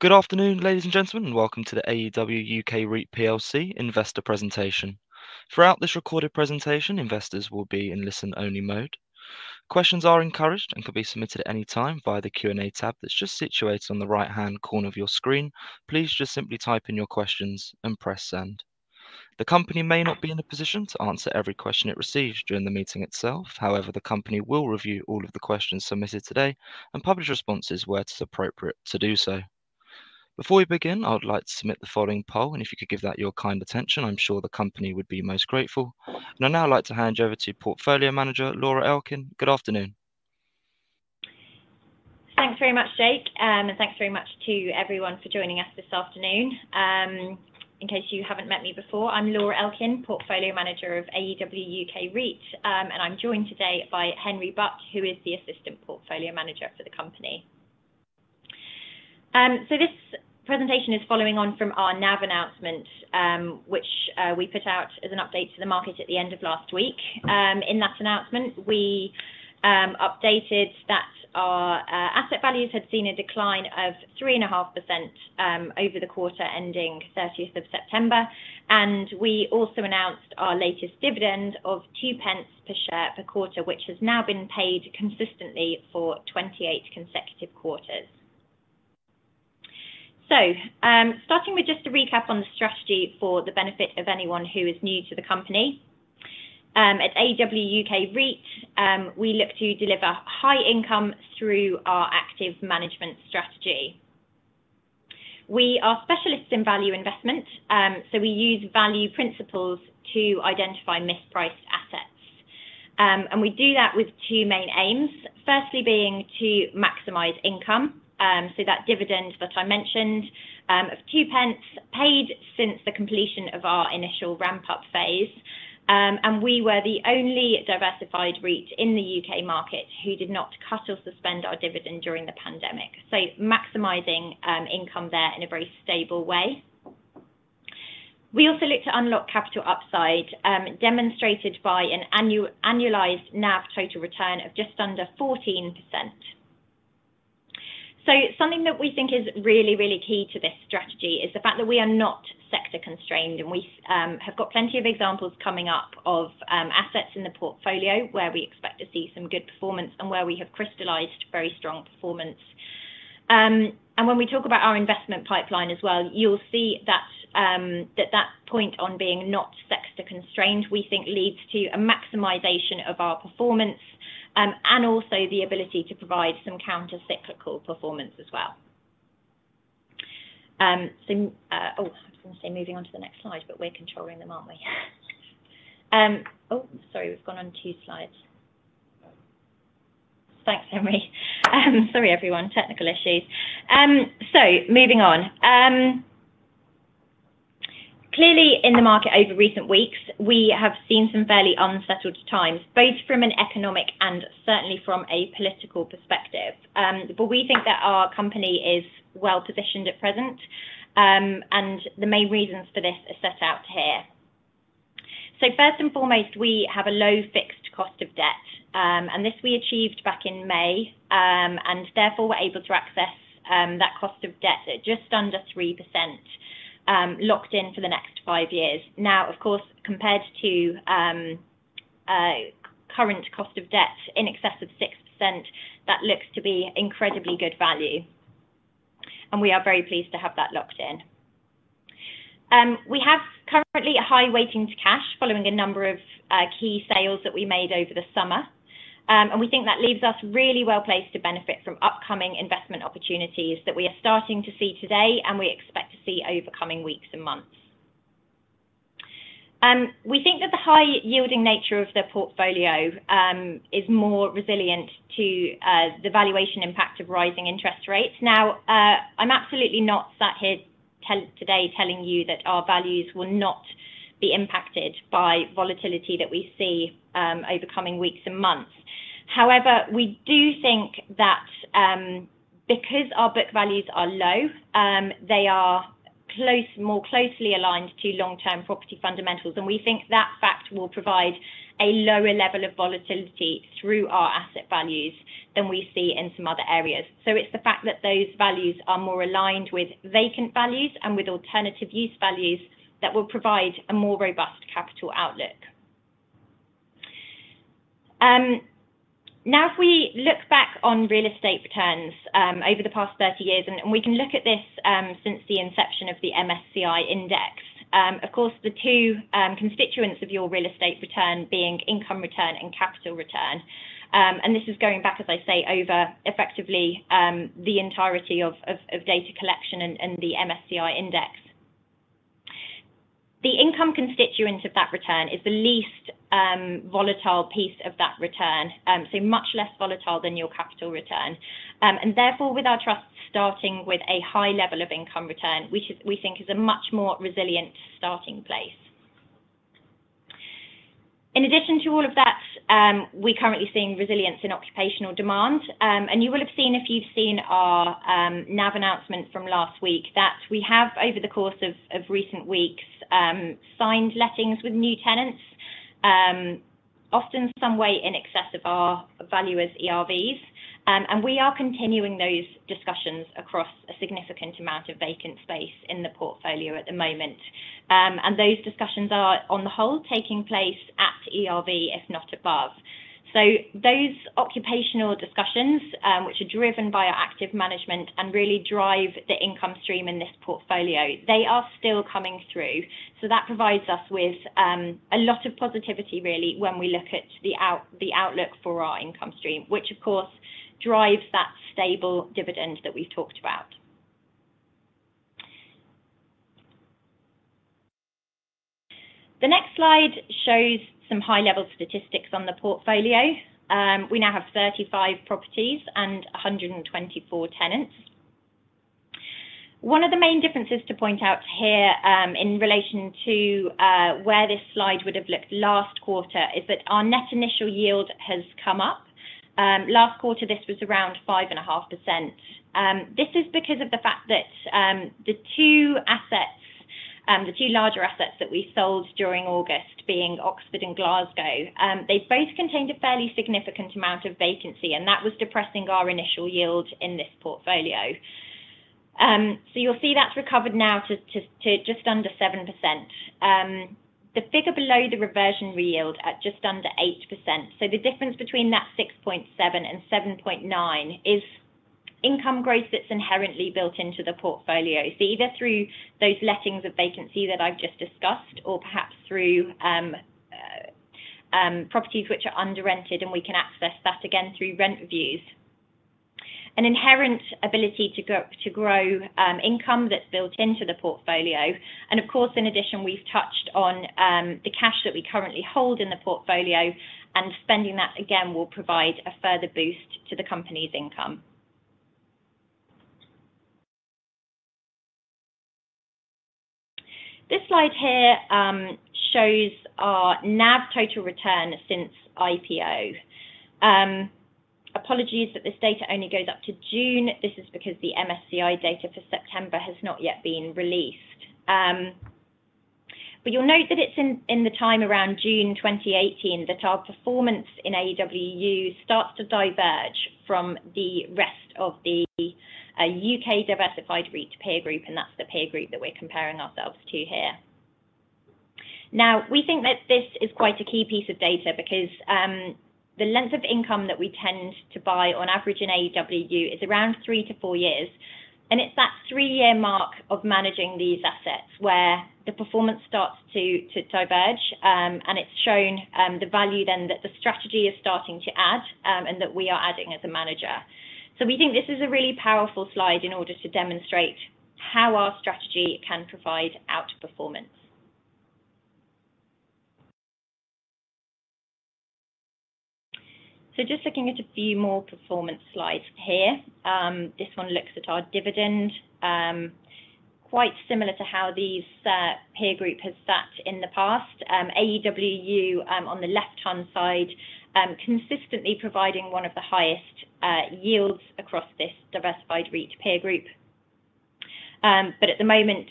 Good afternoon, ladies and gentlemen, and welcome to the AEW UK REIT plc investor presentation. Throughout this recorded presentation, investors will be in listen-only mode. Questions are encouraged and can be submitted at any time via the Q&A tab that's just situated on the right-hand corner of your screen. Please just simply type in your questions and press Send. The company may not be in a position to answer every question it receives during the meeting itself. However, the company will review all of the questions submitted today and publish responses where it is appropriate to do so. Before we begin, I would like to submit the following poll, and if you could give that your kind attention, I'm sure the company would be most grateful. I'd now like to hand you over to Portfolio Manager Laura Elkin. Good afternoon. Thanks very much, Jake, and thanks very much to everyone for joining us this afternoon. In case you haven't met me before, I'm Laura Elkin, Portfolio Manager of AEW UK REIT. I'm joined today by Henry Butt, who is the Assistant Portfolio Manager for the company. This presentation is following on from our NAV announcement, which we put out as an update to the market at the end of last week. In that announcement, we updated that our asset values had seen a decline of 3.5%, over the quarter ending 30th of September. We also announced our latest dividend of two pence per share per quarter, which has now been paid consistently for 28 consecutive quarters. Starting with just a recap on the strategy for the benefit of anyone who is new to the company. At AEW UK REIT, we look to deliver high income through our active management strategy. We are specialists in value investment, so we use value principles to identify mispriced assets. We do that with two main aims. Firstly being to maximize income, so that dividend that I mentioned, of two pence paid since the completion of our initial ramp-up phase. We were the only diversified REIT in the UK market who did not cut or suspend our dividend during the pandemic. Maximizing income there in a very stable way. We also look to unlock capital upside, demonstrated by an annualized NAV total return of just under 14%. Something that we think is really, really key to this strategy is the fact that we are not sector constrained, and we have got plenty of examples coming up of assets in the portfolio where we expect to see some good performance and where we have crystallized very strong performance. When we talk about our investment pipeline as well, you'll see that that point on being not sector constrained, we think leads to a maximization of our performance, and also the ability to provide some counter cyclical performance as well. Oh, I was gonna say moving on to the next slide, but we're controlling them, aren't we? Oh, sorry, we've gone on two slides. Thanks, Henry. Sorry, everyone. Technical issues. Moving on. Clearly in the market over recent weeks, we have seen some fairly unsettled times, both from an economic and certainly from a political perspective. We think that our company is well-positioned at present. The main reasons for this are set out here. First and foremost, we have a low fixed cost of debt. This we achieved back in May, and therefore we're able to access that cost of debt at just under 3%, locked in for the next five years. Now, of course, compared to current cost of debt in excess of 6%, that looks to be incredibly good value, and we are very pleased to have that locked in. We have currently a high weighting to cash following a number of key sales that we made over the summer. We think that leaves us really well-placed to benefit from upcoming investment opportunities that we are starting to see today and we expect to see over coming weeks and months. We think that the high yielding nature of the portfolio is more resilient to the valuation impact of rising interest rates. Now, I'm absolutely not sat here today telling you that our values will not be impacted by volatility that we see over coming weeks and months. However, we do think that because our book values are low, they are more closely aligned to long-term property fundamentals, and we think that fact will provide a lower level of volatility through our asset values than we see in some other areas. It's the fact that those values are more aligned with VP values and with alternative use values that will provide a more robust capital outlook. Now if we look back on real estate returns over the past 30 years, and we can look at this since the inception of the MSCI index. Of course, the two constituents of your real estate return being income return and capital return. This is going back, as I say, over effectively the entirety of data collection and the MSCI index. The income constituent of that return is the least volatile piece of that return, so much less volatile than your capital return. Therefore, with our trust starting with a high level of income return, which we think is a much more resilient starting place. In addition to all of that, we're currently seeing resilience in occupational demand. You will have seen if you've seen our NAV announcement from last week that we have, over the course of recent weeks, signed lettings with new tenants, often some way in excess of our valuers ERVs. We are continuing those discussions across a significant amount of vacant space in the portfolio at the moment. Those discussions are on the whole taking place at ERV if not above. Those occupational discussions, which are driven by our active management and really drive the income stream in this portfolio, they are still coming through. That provides us with a lot of positivity really when we look at the outlook for our income stream, which of course drives that stable dividend that we've talked about. The next slide shows some high-level statistics on the portfolio. We now have 35 properties and 124 tenants. One of the main differences to point out here, in relation to where this slide would have looked last quarter is that our net initial yield has come up. Last quarter this was around 5.5%. This is because of the fact that the two assets, the two larger assets that we sold during August being Oxford and Glasgow, they both contained a fairly significant amount of vacancy, and that was depressing our initial yield in this portfolio. You'll see that's recovered now to just under 7%. The figure below the reversionary yield at just under 8%. The difference between that 6.7 and 7.9 is income growth that's inherently built into the portfolio. Either through those lettings of vacancy that I've just discussed or perhaps through properties which are under-rented, and we can access that again through rent reviews. An inherent ability to grow income that's built into the portfolio and of course, in addition, we've touched on the cash that we currently hold in the portfolio and spending that again will provide a further boost to the company's income. This slide here shows our NAV total return since IPO. Apologies that this data only goes up to June. This is because the MSCI data for September has not yet been released. You'll note that it's in the time around June 2018 that our performance in AEW UK starts to diverge from the rest of the U.K. diversified REIT peer group, and that's the peer group that we're comparing ourselves to here. Now, we think that this is quite a key piece of data because the length of income that we tend to buy on average in AEW UK is around three to four years, and it's that three-year mark of managing these assets where the performance starts to diverge. It's shown the value then that the strategy is starting to add, and that we are adding as a manager. We think this is a really powerful slide in order to demonstrate how our strategy can provide outperformance. Just looking at a few more performance slides here. This one looks at our dividend, quite similar to how these peer group has sat in the past. AEW UK REIT, on the left-hand side, consistently providing one of the highest yields across this diversified REIT peer group. At the moment,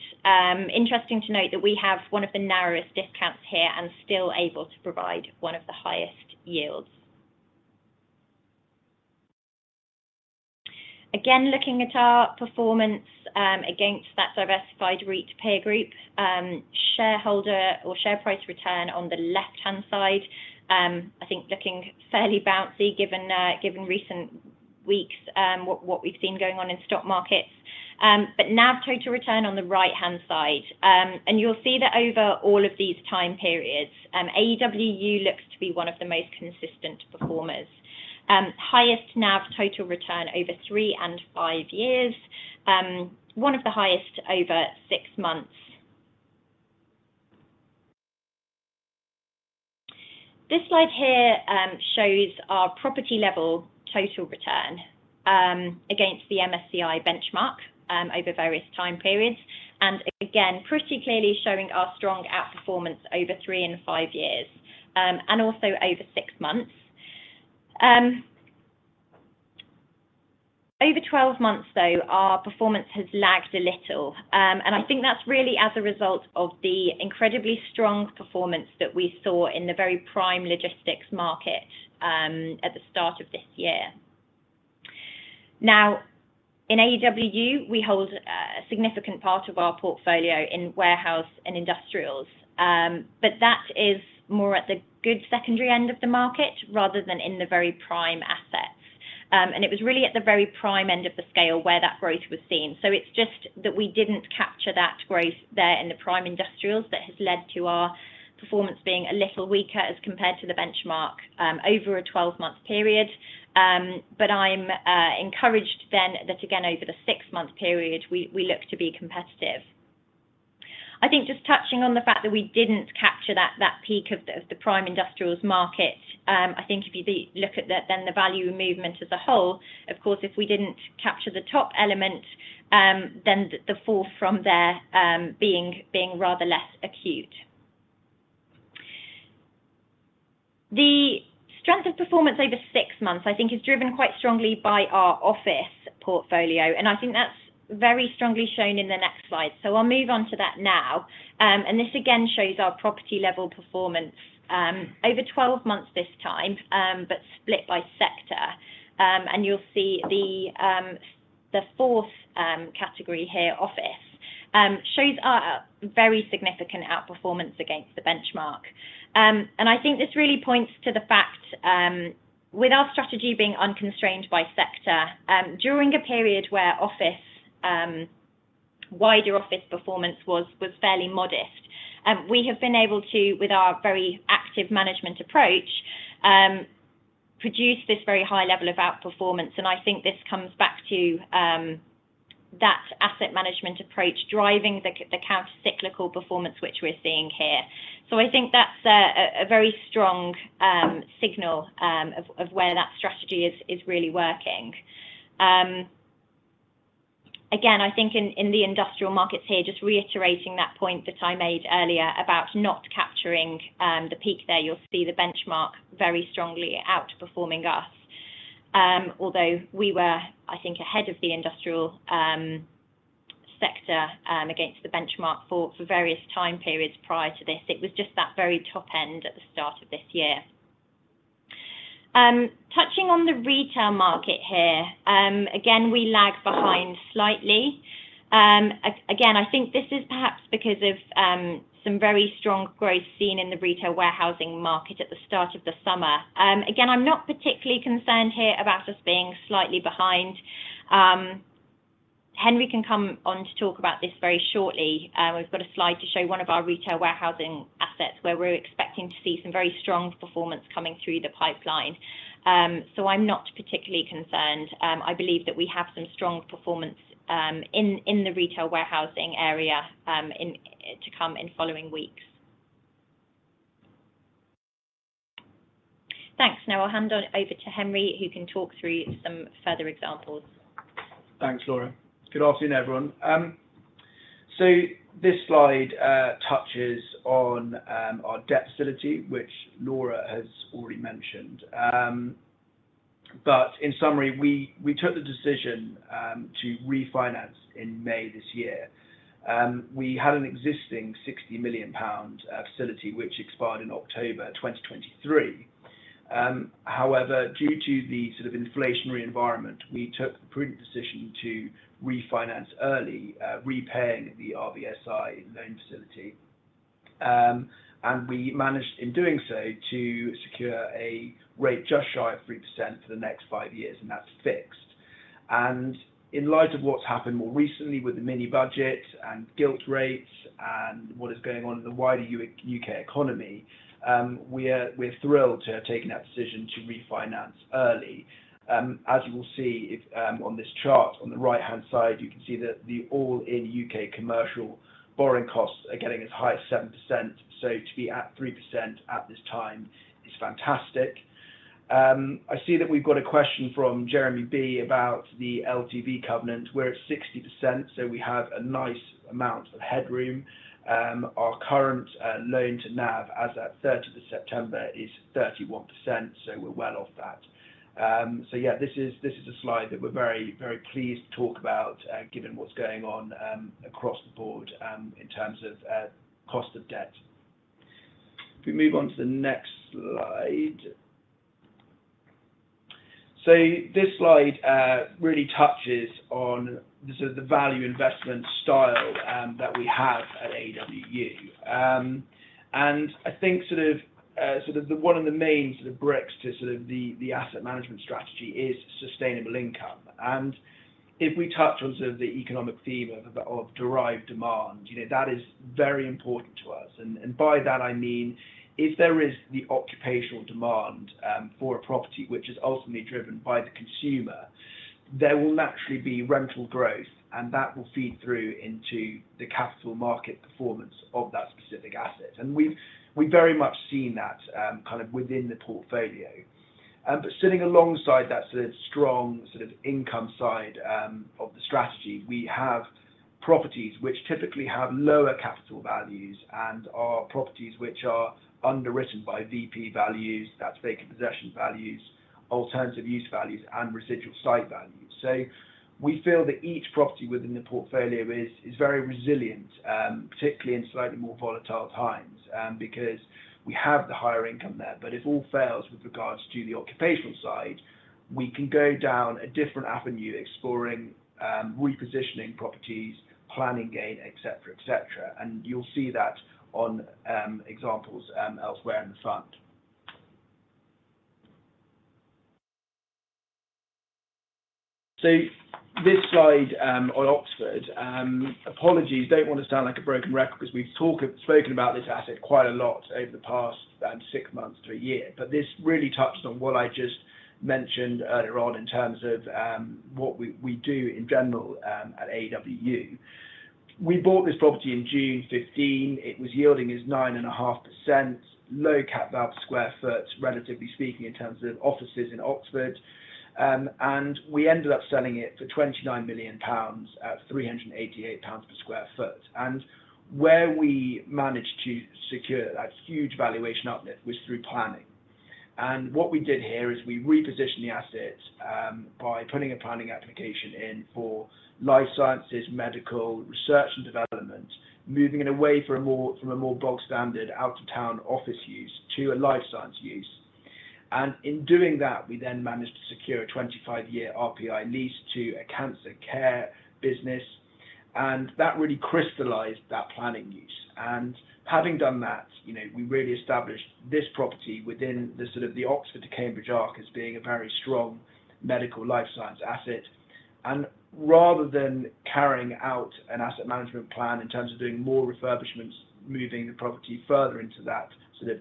interesting to note that we have one of the narrowest discounts here and still able to provide one of the highest yields. Again, looking at our performance against that diversified REIT peer group, shareholder or share price return on the left-hand side, I think looking fairly bouncy given recent weeks, what we've seen going on in stock markets. NAV total return on the right-hand side. You'll see that over all of these time periods, AEW UK REIT looks to be one of the most consistent performers. Highest NAV total return over three and five years, one of the highest over six months. This slide here shows our property-level total return against the MSCI benchmark over various time periods. Again, pretty clearly showing our strong outperformance over three and five years, and also over six months. Over 12 months though, our performance has lagged a little. I think that's really as a result of the incredibly strong performance that we saw in the very prime logistics market at the start of this year. Now, in AEW UK, we hold a significant part of our portfolio in warehouse and industrials, but that is more at the good secondary end of the market rather than in the very prime assets. It was really at the very prime end of the scale where that growth was seen. It's just that we didn't capture that growth there in the prime industrials that has led to our performance being a little weaker as compared to the benchmark over a 12-month period. I'm encouraged then that again, over the six-month period, we look to be competitive. I think just touching on the fact that we didn't capture that peak of the prime industrials market. I think if you look at the value movement as a whole, of course, if we didn't capture the top element, then the fall from there being rather less acute. Relative performance over six months I think is driven quite strongly by our office portfolio, and I think that's very strongly shown in the next slide. I'll move on to that now. This again shows our property level performance over 12 months this time, but split by sector. You'll see the fourth category here, office, shows a very significant outperformance against the benchmark. I think this really points to the fact with our strategy being unconstrained by sector, during a period where office wider office performance was fairly modest, we have been able to, with our very active management approach, produce this very high level of outperformance. I think this comes back to that asset management approach driving the countercyclical performance which we're seeing here. I think that's a very strong signal of where that strategy is really working. Again, I think in the industrial markets here, just reiterating that point that I made earlier about not capturing the peak there. You'll see the benchmark very strongly outperforming us. Although we were, I think, ahead of the industrial sector against the benchmark for various time periods prior to this. It was just that very top end at the start of this year. Touching on the retail market here, again, we lag behind slightly. Again, I think this is perhaps because of some very strong growth seen in the retail warehousing market at the start of the summer. Again, I'm not particularly concerned here about us being slightly behind. Henry can come on to talk about this very shortly. We've got a slide to show one of our retail warehousing assets where we're expecting to see some very strong performance coming through the pipeline. I'm not particularly concerned. I believe that we have some strong performance in the retail warehousing area to come in following weeks. Thanks. Now I'll hand over to Henry Butt, who can talk through some further examples. Thanks, Laura. Good afternoon, everyone. This slide touches on our debt facility, which Laura has already mentioned. In summary, we took the decision to refinance in May this year. We had an existing 60 million pound facility which expired in October 2023. However, due to the sort of inflationary environment, we took the prudent decision to refinance early, repaying the RBSI loan facility. We managed in doing so to secure a rate just shy of 3% for the next five years, and that's fixed. In light of what's happened more recently with the mini budget and gilt rates and what is going on in the wider UK economy, we're thrilled to have taken that decision to refinance early. As you will see, on this chart on the right-hand side, you can see that the all-in UK commercial borrowing costs are getting as high as 7%. To be at 3% at this time is fantastic. I see that we've got a question from Jeremy B. about the LTV covenant. We're at 60%, so we have a nice amount of headroom. Our current loan to NAV as at 3rd of September is 31%, so we're well off that. Yeah, this is a slide that we're very, very pleased to talk about, given what's going on across the board in terms of cost of debt. If we move on to the next slide. This slide really touches on the sort of value investment style that we have at AEW UK. I think sort of one of the main sort of bricks to the asset management strategy is sustainable income. If we touch on sort of the economic theme of derived demand, you know, that is very important to us. By that I mean if there is the occupational demand for a property which is ultimately driven by the consumer, there will naturally be rental growth and that will feed through into the capital market performance of that specific asset. We've very much seen that kind of within the portfolio. Sitting alongside that sort of strong sort of income side of the strategy, we have properties which typically have lower capital values and are properties which are underwritten by VP values, that's vacant possession values, alternative use values, and residual site values. We feel that each property within the portfolio is very resilient, particularly in slightly more volatile times, because we have the higher income there. If all fails with regards to the occupational side, we can go down a different avenue exploring repositioning properties, planning gain, et cetera, et cetera. You'll see that on examples elsewhere in the fund. This slide on Oxford, apologies, don't want to sound like a broken record because we've spoken about this asset quite a lot over the past six months to a year. This really touched on what I just mentioned earlier on in terms of what we do in general at AEW. We bought this property in June 2015. It was yielding us 9.5%, low cap per sq ft, relatively speaking, in terms of offices in Oxford. We ended up selling it for 29 million pounds at 388 pounds per sq ft. Where we managed to secure that huge valuation uplift was through planning. What we did here is we repositioned the assets by putting a planning application in for life sciences, medical research and development, moving it away from a more bog standard out of town office use to a life science use. In doing that, we then managed to secure a 25-year RPI lease to a cancer care business, and that really crystallized that planning use. Having done that, you know, we really established this property within the sort of the Oxford to Cambridge arc as being a very strong medical life science asset. Rather than carrying out an asset management plan in terms of doing more refurbishments, moving the property further into that sort of,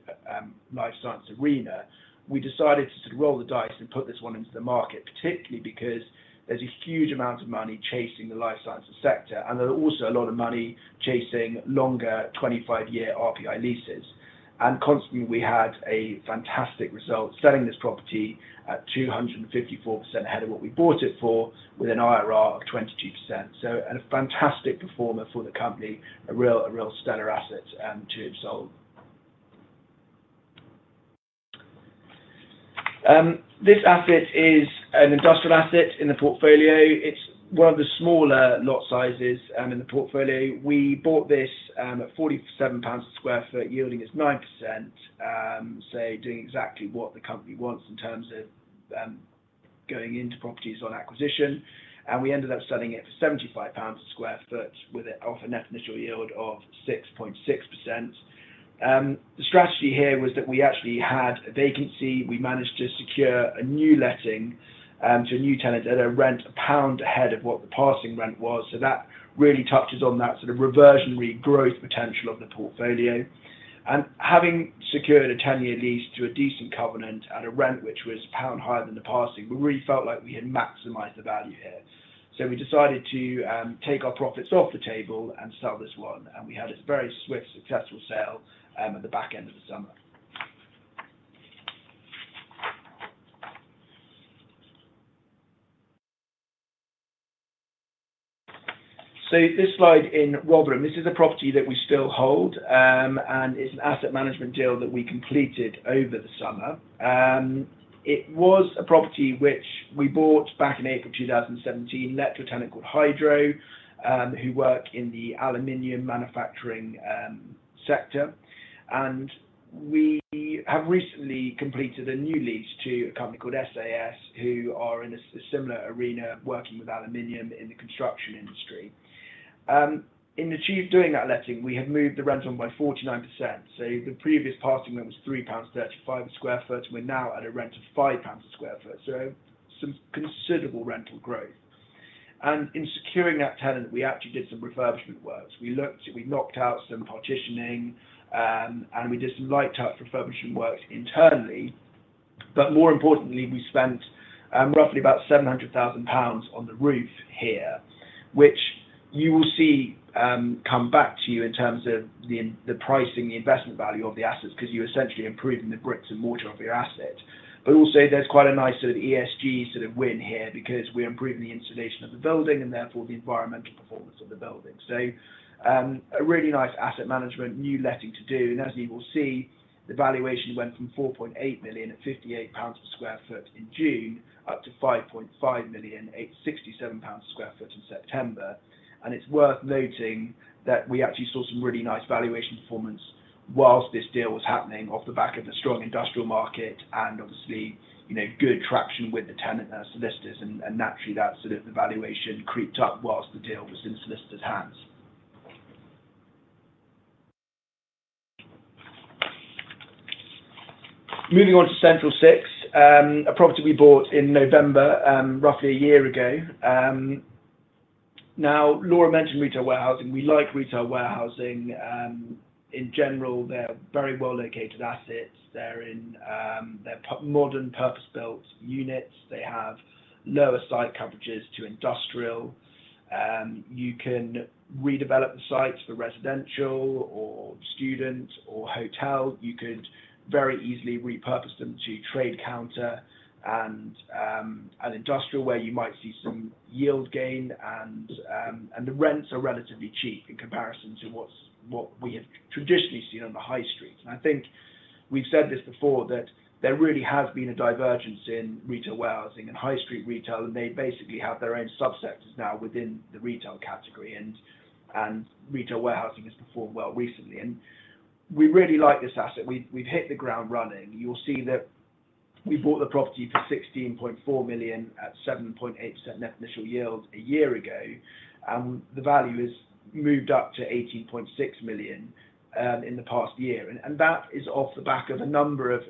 life science arena, we decided to roll the dice and put this one into the market, particularly because there's a huge amount of money chasing the life sciences sector, and there was also a lot of money chasing longer 25-year RPI leases. constantly, we had a fantastic result selling this property at 254% ahead of what we bought it for with an IRR of 22%. A fantastic performer for the company, a real stellar asset to have sold. This asset is an industrial asset in the portfolio. It's one of the smaller lot sizes in the portfolio. We bought this at 4 pounds per sq ft, yielding us 9%, so doing exactly what the company wants in terms of going into properties on acquisition. We ended up selling it for 75 pounds per sq ft with a net initial yield of 6.6%. The strategy here was that we actually had a vacancy. We managed to secure a new letting, to a new tenant at a rent GBP 1 ahead of what the passing rent was. That really touches on that sort of reversionary growth potential of the portfolio. Having secured a 10-year lease to a decent covenant at a rent which was GBP 1 higher than the passing, we really felt like we had maximized the value here. We decided to take our profits off the table and sell this one, and we had a very swift, successful sale at the back end of the summer. This slide in Rotherham, this is a property that we still hold, and it's an asset management deal that we completed over the summer. It was a property which we bought back in April 2017, let to a tenant called Hydro, who work in the aluminum manufacturing sector. We have recently completed a new lease to a company called Senior Architectural Systems, who are in a similar arena, working with aluminum in the construction industry. In achieving that letting, we have moved the rent on by 49%. The previous passing rent was 3.35 pounds per sq ft. We're now at a rent of 5 pounds per sq ft, so some considerable rental growth. In securing that tenant, we actually did some refurbishment works. We looked, we knocked out some partitioning, and we did some light touch refurbishment works internally. More importantly, we spent roughly about 700,000 pounds on the roof here, which you will see come back to you in terms of the pricing, the investment value of the assets 'cause you're essentially improving the bricks and mortar of your asset. Also there's quite a nice sort of ESG sort of win here because we're improving the insulation of the building and therefore the environmental performance of the building. A really nice asset management new letting to do. As you will see, the valuation went from 4.8 million at 58 pounds per sq ft in June up to 5.5 million at 67 pounds per sq ft in September. It's worth noting that we actually saw some really nice valuation performance while this deal was happening off the back of the strong industrial market and obviously, you know, good traction with the tenant, solicitors and naturally that sort of valuation crept up while the deal was in the solicitor's hands. Moving on to Central Six, a property we bought in November, roughly a year ago. Now Laura mentioned retail warehousing. We like retail warehousing. In general, they're very well-located assets. They're in, they're B1 modern purpose-built units. They have lower site coverages than industrial. You can redevelop the sites for residential or student or hotel. You could very easily repurpose them to trade counter and industrial, where you might see some yield gain and the rents are relatively cheap in comparison to what we have traditionally seen on the high street. I think we've said this before that there really has been a divergence in retail warehousing and high street retail, and they basically have their own subsectors now within the retail category and retail warehousing has performed well recently. We really like this asset. We've hit the ground running. You'll see that we bought the property for 16.4 million at 7.8% net initial yield a year ago, and the value has moved up to 18.6 million in the past year. That is off the back of a number of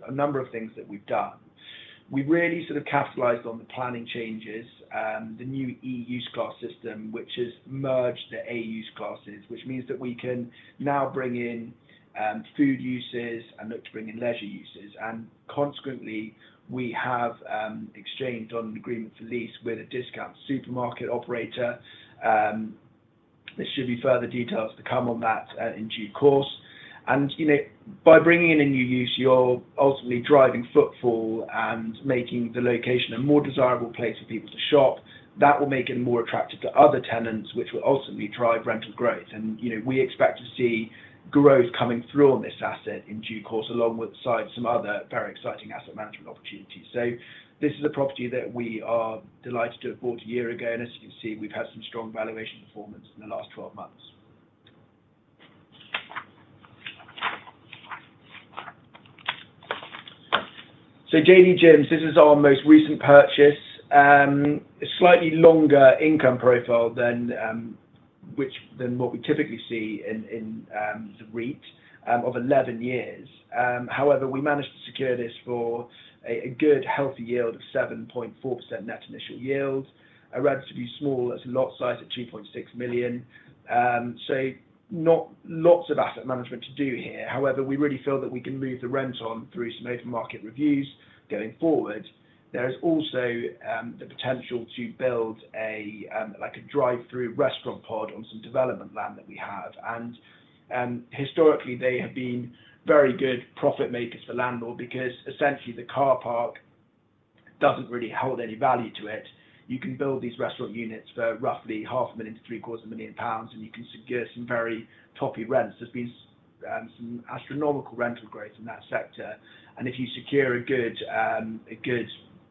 things that we've done. We really sort of capitalized on the planning changes, the new E use class system, which has merged the A use classes, which means that we can now bring in food uses and look to bring in leisure uses. Consequently, we have exchanged on an agreement for lease with a discount supermarket operator. There should be further details to come on that in due course. You know, by bringing in a new use, you're ultimately driving footfall and making the location a more desirable place for people to shop. That will make it more attractive to other tenants, which will ultimately drive rental growth. You know, we expect to see growth coming through on this asset in due course, alongside some other very exciting asset management opportunities. This is a property that we are delighted to have bought a year ago, and as you can see, we've had some strong valuation performance in the last 12 months. JD Gyms, this is our most recent purchase. A slightly longer income profile than what we typically see in the REIT of 11 years. However, we managed to secure this for a good healthy yield of 7.4% net initial yield. A relatively small asset lot size at 2.6 million. So not lots of asset management to do here. However, we really feel that we can move the rent on through some open market reviews going forward. There is also the potential to build like a drive-through restaurant pod on some development land that we have. Historically, they have been very good profit makers for landlord because essentially the car park doesn't really hold any value to it. You can build these restaurant units for roughly half a million to three-quarters of a million pounds, and you can secure some very toppy rents. There's been some astronomical rental growth in that sector. If you secure a good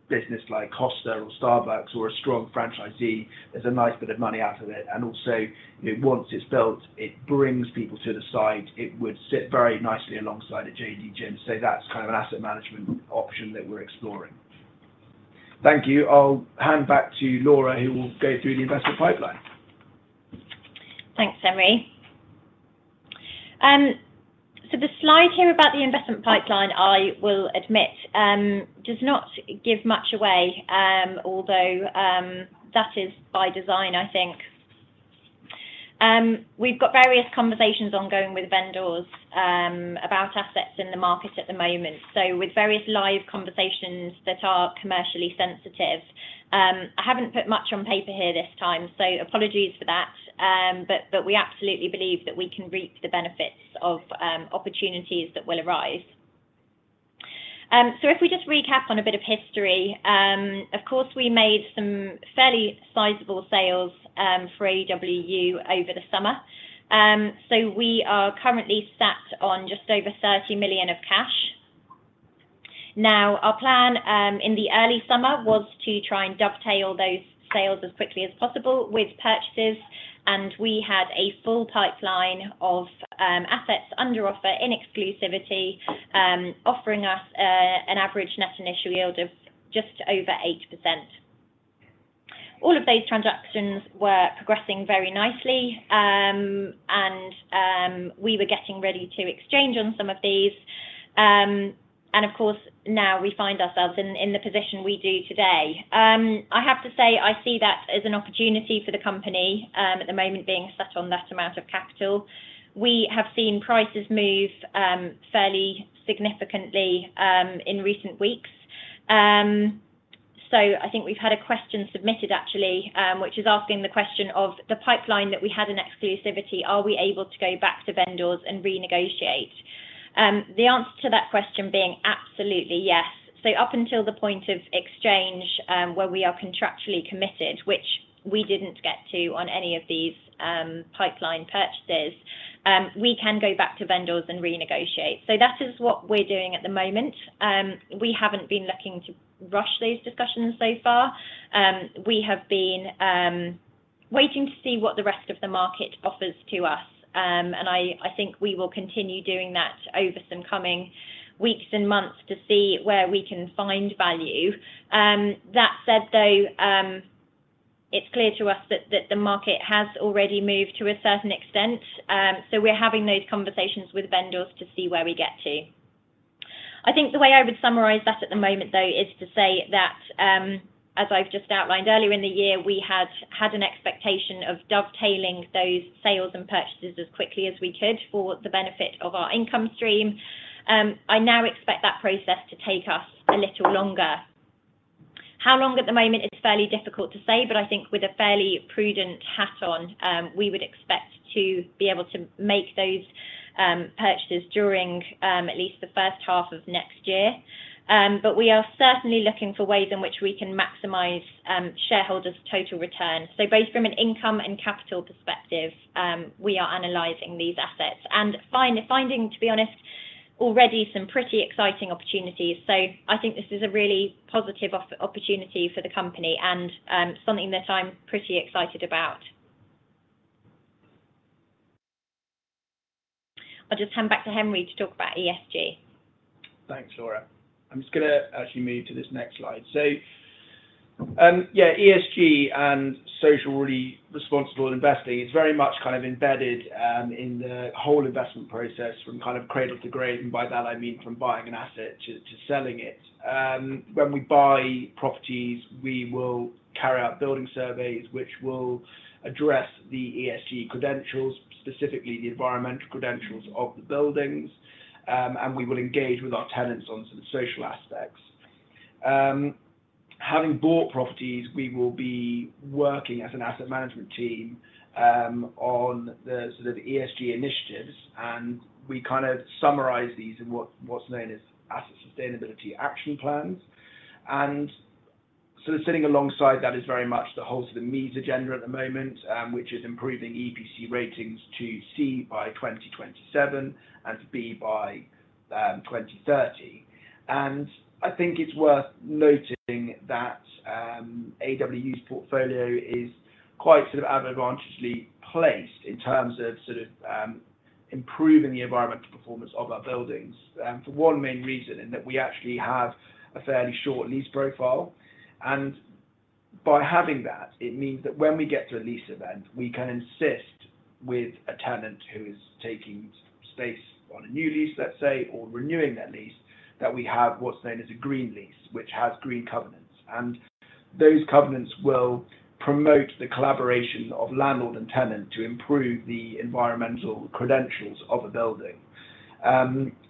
business like Costa or Starbucks or a strong franchisee, there's a nice bit of money out of it. Also, you know, once it's built, it brings people to the site. It would sit very nicely alongside a JD Gym. That's kind of an asset management option that we're exploring. Thank you. I'll hand back to Laura, who will go through the investment pipeline. Thanks, Henry. So the slide here about the investment pipeline, I will admit, does not give much away, although, that is by design, I think. We've got various conversations ongoing with vendors, about assets in the market at the moment. With various live conversations that are commercially sensitive, I haven't put much on paper here this time, so apologies for that. But we absolutely believe that we can reap the benefits of, opportunities that will arise. If we just recap on a bit of history, of course, we made some fairly sizable sales, for AEW over the summer. We are currently sat on just over 30 million of cash. Now, our plan in the early summer was to try and dovetail those sales as quickly as possible with purchases, and we had a full pipeline of assets under offer in exclusivity, offering us an average net initial yield of just over 8%. All of those transactions were progressing very nicely, and we were getting ready to exchange on some of these. Of course, now we find ourselves in the position we do today. I have to say, I see that as an opportunity for the company, at the moment being sat on that amount of capital. We have seen prices move fairly significantly in recent weeks. I think we've had a question submitted actually, which is asking the question of the pipeline that we had in exclusivity, are we able to go back to vendors and renegotiate? The answer to that question being absolutely yes. Up until the point of exchange, where we are contractually committed, which we didn't get to on any of these, pipeline purchases, we can go back to vendors and renegotiate. That is what we're doing at the moment. We haven't been looking to rush these discussions so far. We have been waiting to see what the rest of the market offers to us. I think we will continue doing that over some coming weeks and months to see where we can find value. That said, though, it's clear to us that the market has already moved to a certain extent. We're having those conversations with vendors to see where we get to. I think the way I would summarize that at the moment though, is to say that, as I've just outlined earlier in the year, we had had an expectation of dovetailing those sales and purchases as quickly as we could for the benefit of our income stream. I now expect that process to take us a little longer. How long at the moment is fairly difficult to say, but I think with a fairly prudent hat on, we would expect to be able to make those purchases during at least the first half of next year. We are certainly looking for ways in which we can maximize shareholders' total returns. Both from an income and capital perspective, we are analyzing these assets and finding, to be honest, already some pretty exciting opportunities. I think this is a really positive opportunity for the company and something that I'm pretty excited about. I'll just hand back to Henry to talk about ESG. Thanks, Laura. I'm just gonna actually move to this next slide. Yeah, ESG and socially responsible investing is very much kind of embedded in the whole investment process from kind of cradle to grave. By that I mean from buying an asset to selling it. When we buy properties, we will carry out building surveys, which will address the ESG credentials, specifically the environmental credentials of the buildings. We will engage with our tenants on some social aspects. Having bought properties, we will be working as an asset management team on the sort of ESG initiatives, and we kind of summarize these in what's known as Asset Sustainability Action Plans. Sort of sitting alongside that is very much the whole sort of MEES agenda at the moment, which is improving EPC ratings to C by 2027 and to B by 2030. I think it's worth noting that AEW's portfolio is quite sort of advantageously placed in terms of sort of improving the environmental performance of our buildings, for one main reason, in that we actually have a fairly short lease profile. By having that, it means that when we get to a lease event, we can insist with a tenant who is taking space on a new lease, let's say, or renewing their lease, that we have what's known as a green lease, which has green covenants. Those covenants will promote the collaboration of landlord and tenant to improve the environmental credentials of a building.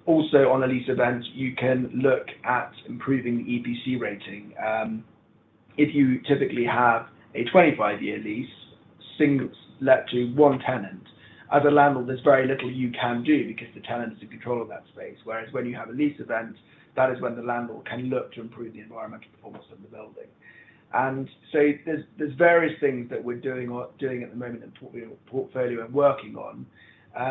Also on a lease event, you can look at improving the EPC rating. If you typically have a 25-year lease single let to one tenant, as a landlord, there's very little you can do because the tenant is in control of that space, whereas when you have a lease event, that is when the landlord can look to improve the environmental performance of the building. There's various things that we're doing at the moment in portfolio, you know, and working on.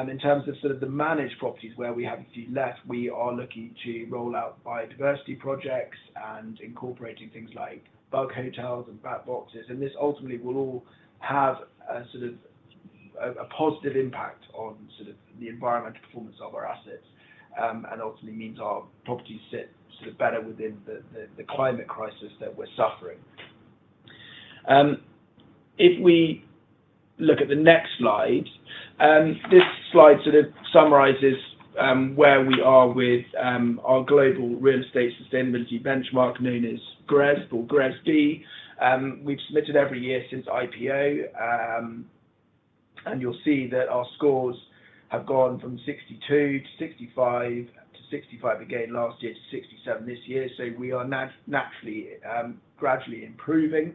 In terms of sort of the managed properties where we have a few left, we are looking to roll out biodiversity projects and incorporating things like bug hotels and bat boxes. This ultimately will all have a sort of a positive impact on sort of the environmental performance of our assets, and ultimately means our properties sit sort of better within the climate crisis that we're suffering. If we look at the next slide, this slide sort of summarizes where we are with our Global Real Estate Sustainability Benchmark, known as GRESB. We've submitted every year since IPO, and you'll see that our scores have gone from 62 to 65 to 65 again last year to 67 this year. We are naturally gradually improving.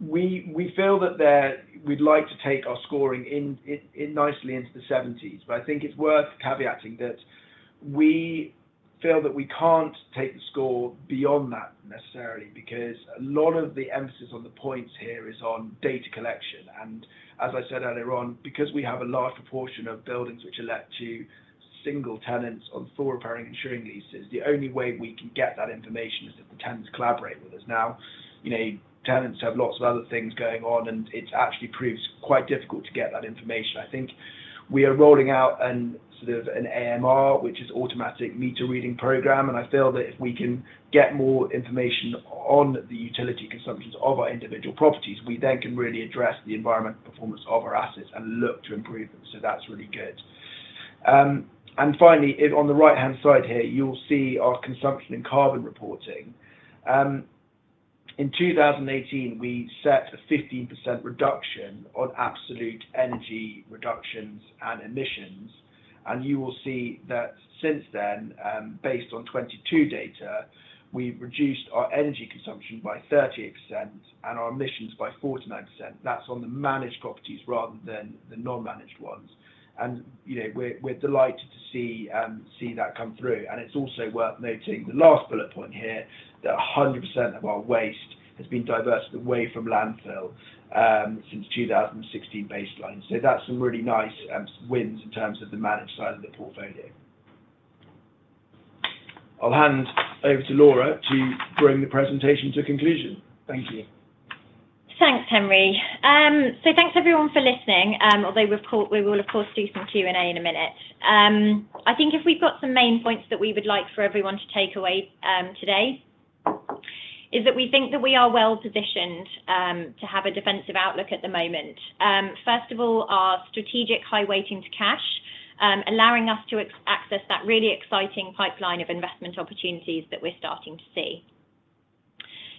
We feel that we'd like to take our scoring in nicely into the 70s. I think it's worth caveating that we feel that we can't take the score beyond that necessarily because a lot of the emphasis on the points here is on data collection. as I said earlier on, because we have a large proportion of buildings which are let to single tenants on full repairing and insuring leases, the only way we can get that information is if the tenants collaborate with us. Now, you know, tenants have lots of other things going on, and it actually proves quite difficult to get that information. I think we are rolling out an, sort of an AMR, which is Automatic Meter Reading program, and I feel that if we can get more information on the utility consumptions of our individual properties, we then can really address the environmental performance of our assets and look to improve them. that's really good. Finally, if on the right-hand side here, you'll see our consumption and carbon reporting. In 2018, we set a 50% reduction on absolute energy reductions and emissions, and you will see that since then, based on 2022 data, we've reduced our energy consumption by 30% and our emissions by 49%. That's on the managed properties rather than the non-managed ones. You know, we're delighted to see that come through. It's also worth noting the last bullet point here, that 100% of our waste has been diverted away from landfill since 2016 baseline. That's some really nice wins in terms of the managed side of the portfolio. I'll hand over to Laura to bring the presentation to conclusion. Thank you. Thanks, Henry. Thanks everyone for listening. Although we've got, we will of course do some Q&A in a minute. I think if we've got some main points that we would like for everyone to take away, today is that we think that we are well positioned to have a defensive outlook at the moment. First of all, our strategic high weighting to cash, allowing us to access that really exciting pipeline of investment opportunities that we're starting to see.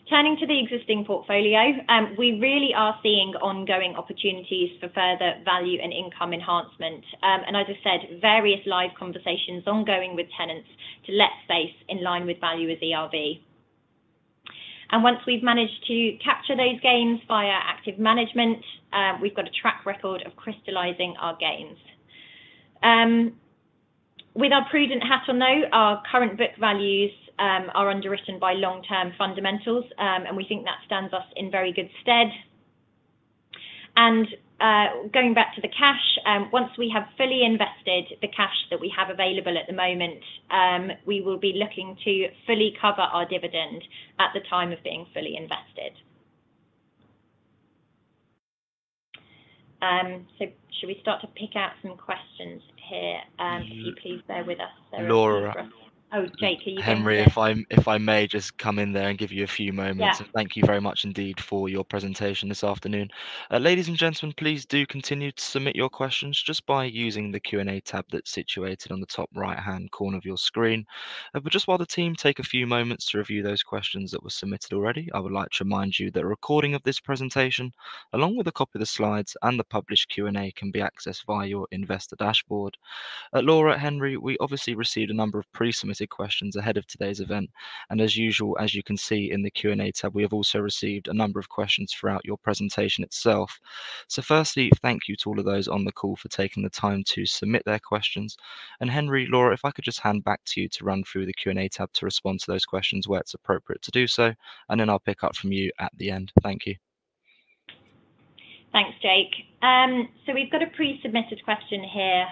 Turning to the existing portfolio, we really are seeing ongoing opportunities for further value and income enhancement. As I said, various live conversations ongoing with tenants to let space in line with value with ERV. Once we've managed to capture those gains via active management, we've got a track record of crystallizing our gains. With our prudent hat on, though, our current book values are underwritten by long-term fundamentals. We think that stands us in very good stead. Going back to the cash, once we have fully invested the cash that we have available at the moment, we will be looking to fully cover our dividend at the time of being fully invested. Should we start to pick out some questions here? Laura. Oh, Jake, are you going to- Henry, if I may just come in there and give you a few moments. Yeah. Thank you very much indeed for your presentation this afternoon. Ladies and gentlemen, please do continue to submit your questions just by using the Q&A tab that's situated on the top right-hand corner of your screen. Just while the team take a few moments to review those questions that were submitted already, I would like to remind you that a recording of this presentation, along with a copy of the slides and the published Q&A, can be accessed via your investor dashboard. Laura, Henry, we obviously received a number of pre-submitted questions ahead of today's event. As usual, as you can see in the Q&A tab, we have also received a number of questions throughout your presentation itself. Firstly, thank you to all of those on the call for taking the time to submit their questions. Henry, Laura, if I could just hand back to you to run through the Q&A tab to respond to those questions where it's appropriate to do so, and then I'll pick up from you at the end. Thank you. Thanks, Jake. So we've got a pre-submitted question here.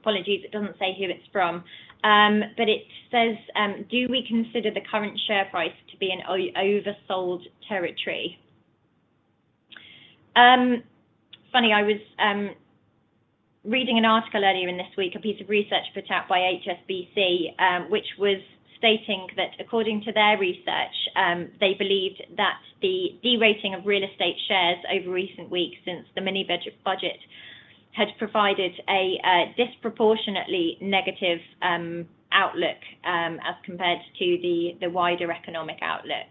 Apologies, it doesn't say who it's from. But it says, do we consider the current share price to be an oversold territory? Funny, I was reading an article earlier in this week, a piece of research put out by HSBC, which was stating that according to their research, they believed that the derating of real estate shares over recent weeks since the mini budget had provided a disproportionately negative outlook, as compared to the wider economic outlook.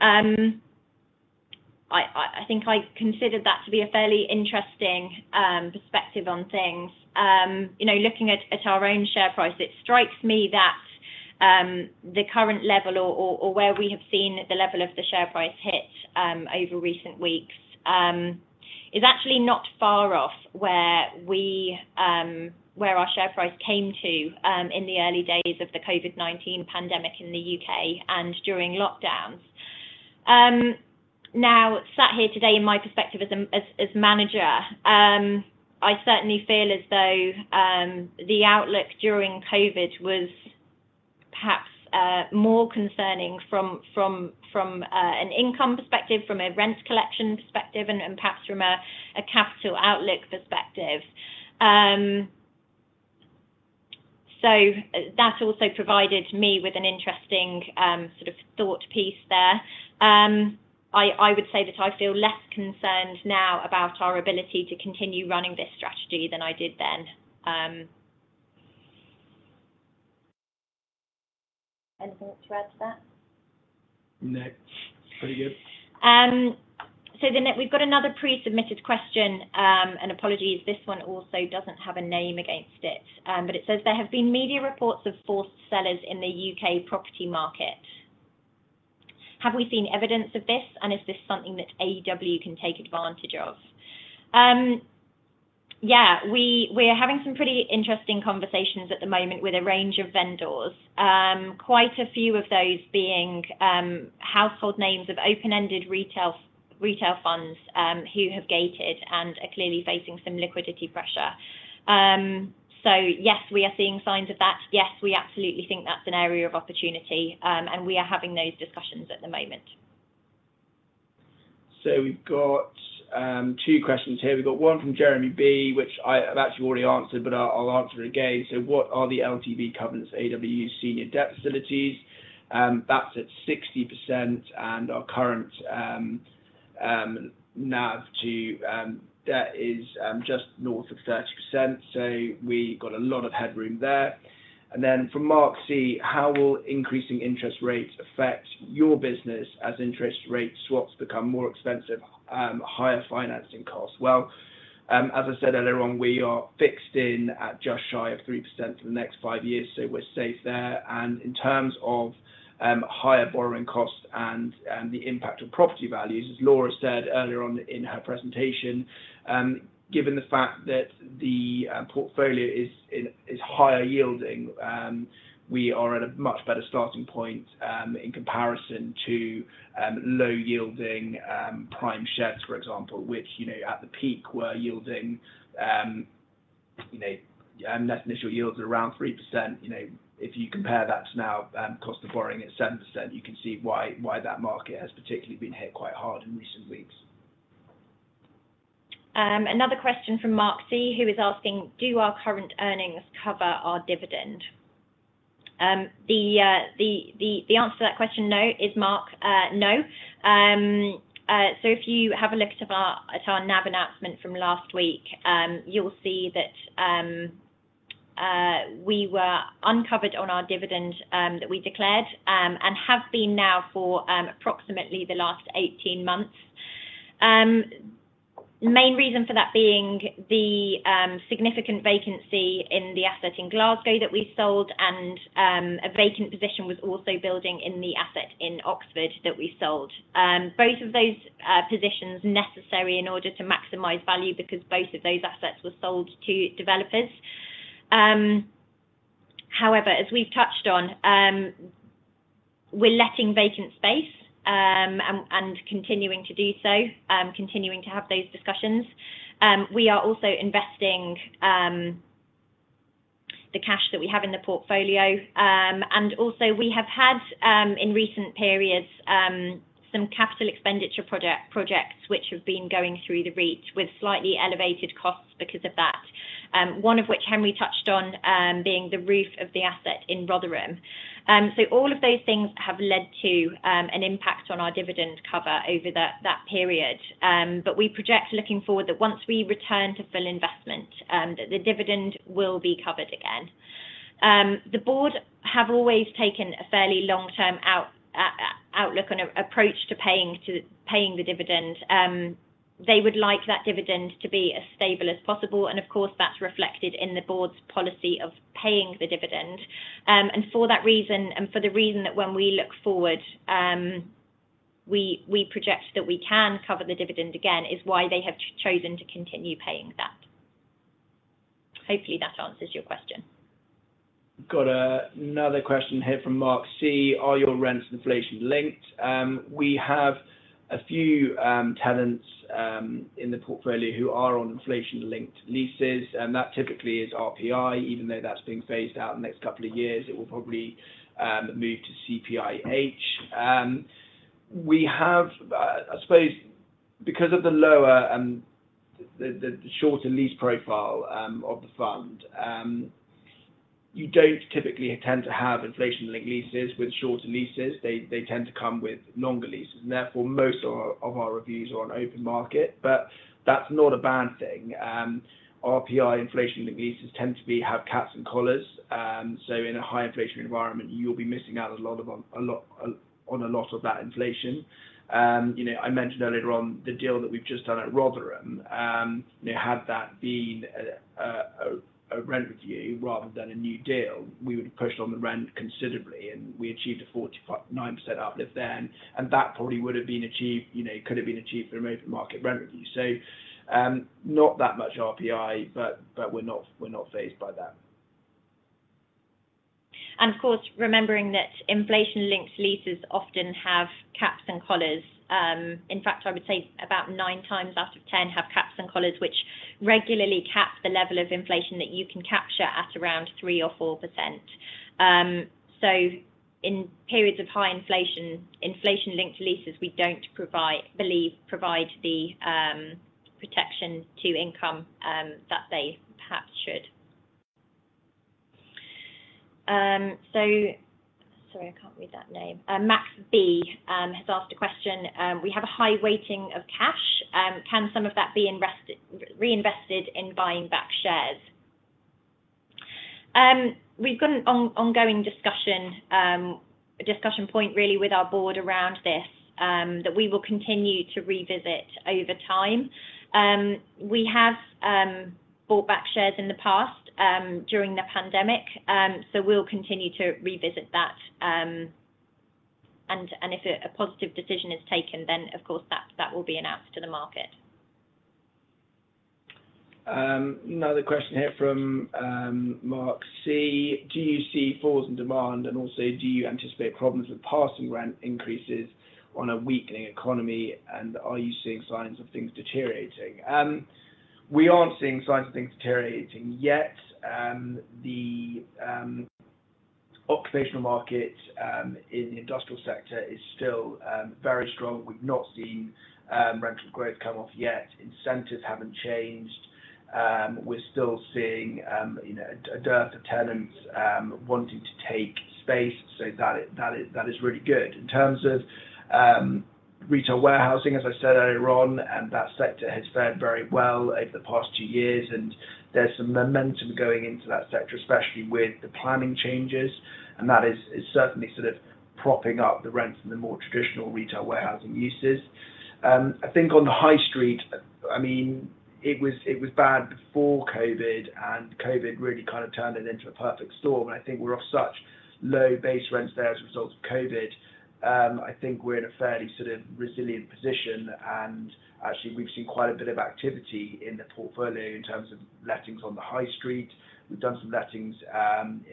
I think I considered that to be a fairly interesting perspective on things. You know, looking at our own share price, it strikes me that the current level or where we have seen the level of the share price hit over recent weeks is actually not far off where our share price came to in the early days of the COVID-19 pandemic in the U.K and during lockdowns. Now sat here today in my perspective as manager, I certainly feel as though the outlook during COVID was perhaps more concerning from an income perspective, from a rent collection perspective, and perhaps from a capital outlook perspective. That also provided me with an interesting sort of thought piece there. I would say that I feel less concerned now about our ability to continue running this strategy than I did then. Anything to add to that? No. It's pretty good. We've got another pre-submitted question. Apologies, this one also doesn't have a name against it. It says there have been media reports of forced sellers in the U.K. property market. Have we seen evidence of this, and is this something that AEW can take advantage of? Yeah, we're having some pretty interesting conversations at the moment with a range of vendors. Quite a few of those being household names of open-ended retail funds who have gated and are clearly facing some liquidity pressure. Yes, we are seeing signs of that. Yes, we absolutely think that's an area of opportunity, and we are having those discussions at the moment. We've got two questions here. We've got one from Jeremy B., which I have actually already answered, but I'll answer it again. What are the LTV covenants AEW senior debt facilities? That's at 60% and our current NAV to debt is just north of 30%. We got a lot of headroom there. Then from Mark C, How will increasing interest rates affect your business as interest rate swaps become more expensive, higher financing costs? Well, as I said earlier on, we are fixed in at just shy of 3% for the next 5 years, so we're safe there. In terms of higher borrowing costs and the impact on property values, as Laura said earlier on in her presentation, given the fact that the portfolio is higher yielding, we are at a much better starting point, in comparison to low yielding prime sheds, for example, which, you know, at the peak were yielding, you know, net initial yields at around 3%. You know, if you compare that to now, cost of borrowing at 7%, you can see why that market has particularly been hit quite hard in recent weeks. Another question from Mark C, who is asking, "Do our current earnings cover our dividend?" The answer to that question, no. If you have a look at our NAV announcement from last week, you'll see that we were uncovered on our dividend that we declared and have been now for approximately the last 18 months. Main reason for that being the significant vacancy in the asset in Glasgow that we sold and a vacant position was also building in the asset in Oxford that we sold. Both of those positions necessary in order to maximize value because both of those assets were sold to developers. However, as we've touched on, we're letting vacant space, and continuing to do so, continuing to have those discussions. We are also investing the cash that we have in the portfolio. We have had, in recent periods, some capital expenditure projects which have been going through the REIT with slightly elevated costs because of that, one of which Henry touched on, being the roof of the asset in Rotherham. All of those things have led to an impact on our dividend cover over that period. We project looking forward that once we return to full investment, that the dividend will be covered again. The board have always taken a fairly long-term outlook and approach to paying the dividend. They would like that dividend to be as stable as possible, and of course, that's reflected in the board's policy of paying the dividend. For that reason, and for the reason that when we look forward, we project that we can cover the dividend again, is why they have chosen to continue paying that. Hopefully that answers your question. Got another question here from Mark C. Are your rents inflation linked? We have a few tenants in the portfolio who are on inflation-linked leases, and that typically is RPI, even though that's being phased out in the next couple of years. It will probably move to CPIH. We have, I suppose because of the lower the shorter lease profile of the fund, you don't typically tend to have inflation-linked leases with shorter leases. They tend to come with longer leases, and therefore most of our reviews are on open market, but that's not a bad thing. RPI inflation-linked leases tend to have caps and collars. In a high inflation environment, you'll be missing out on a lot of that inflation. You know, I mentioned earlier on the deal that we've just done at Rotherham. You know, had that been a rent review rather than a new deal, we would've pushed on the rent considerably, and we achieved a 45.9% uplift then, and that probably would've been achieved. You know, could've been achieved through an open market rent review. Not that much RPI, but we're not fazed by that. Of course, remembering that inflation-linked leases often have caps and collars. In fact, I would say about 9 times out of 10 have caps and collars, which regularly cap the level of inflation that you can capture at around 3% or 4%. So in periods of high inflation-linked leases we don't believe provide the protection to income that they perhaps should. Sorry, I can't read that name. Max B has asked a question. We have a high weighting of cash. Can some of that be invested, reinvested in buying back shares? We've got an ongoing discussion, a discussion point really with our board around this, that we will continue to revisit over time. We have bought back shares in the past, during the pandemic. We'll continue to revisit that, and if a positive decision is taken, then of course that will be announced to the market. Another question here from Mark C. Do you see falls in demand, and also do you anticipate problems with passing rent increases on a weakening economy, and are you seeing signs of things deteriorating? We aren't seeing signs of things deteriorating yet. The occupational market in the industrial sector is still very strong. We've not seen rental growth come off yet. Incentives haven't changed. We're still seeing, you know, a dearth of tenants wanting to take space, so that is really good. In terms of retail warehousing, as I said earlier on, that sector has fared very well over the past two years, and there's some momentum going into that sector, especially with the planning changes, and that is certainly sort of propping up the rents in the more traditional retail warehousing uses. I think on the high street, I mean, it was bad before COVID, and COVID really kind of turned it into a perfect storm. I think we're off such low base rents there as a result of COVID, I think we're in a fairly sort of resilient position, and actually we've seen quite a bit of activity in the portfolio in terms of lettings on the high street. We've done some lettings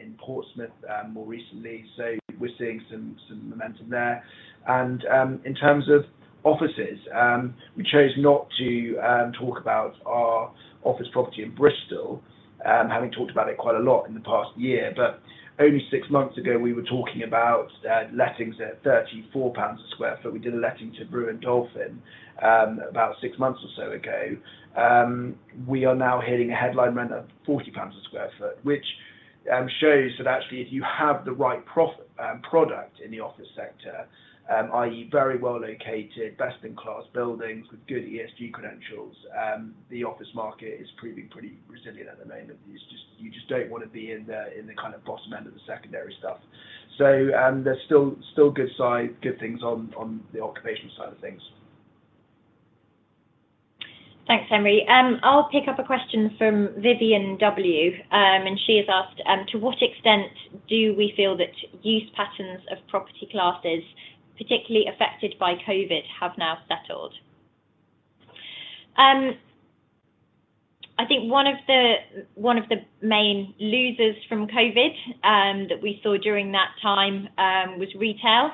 in Portsmouth more recently, so we're seeing some momentum there. In terms of offices, we chose not to talk about our office property in Bristol, having talked about it quite a lot in the past year. Only six months ago we were talking about lettings at 34 pounds per sq ft. We did a letting to RBC Brewin Dolphin, about six months or so ago. We are now hitting a headline rent of 40 pounds per sq ft, which shows that actually if you have the right product in the office sector, i.e., very well located, best in class buildings with good ESG credentials, the office market is pretty resilient at the moment. It's just you just don't wanna be in the kind of bottom end of the secondary stuff. There's still good side, good things on the occupational side of things. Thanks, Henry. I'll pick up a question from Vivian W. She has asked, to what extent do we feel that use patterns of property classes particularly affected by COVID have now settled? I think one of the main losers from COVID that we saw during that time was retail.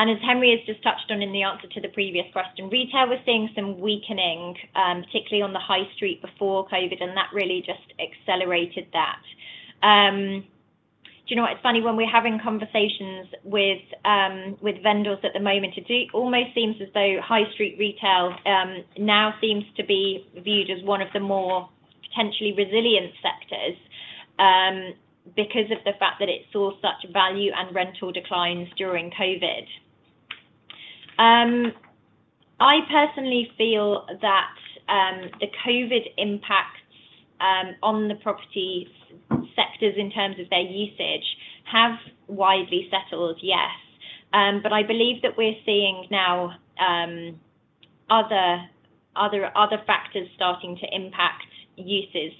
As Henry has just touched on in the answer to the previous question, retail, we're seeing some weakening, particularly on the high street before COVID, and that really just accelerated that. Do you know what? It's funny, when we're having conversations with vendors at the moment, it does almost seem as though high street retail now seems to be viewed as one of the more potentially resilient sectors, because of the fact that it saw such value and rental declines during COVID. I personally feel that the COVID impacts on the property sectors in terms of their usage have widely settled, yes. I believe that we're seeing now other factors starting to impact uses.